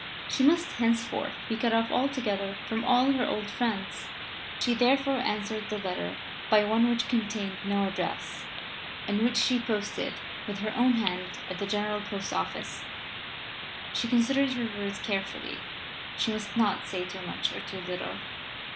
She must henceforth be cut off altogether from all her old friends. She therefore answered the letter by one which contained no address, and which she posted with her own hand at the General Post Office. She considered her words carefully. She must not say too much or too little.